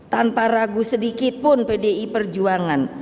tanpa ragu sedikitpun pdi perjuangan